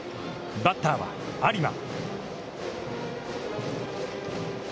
バッターは有馬。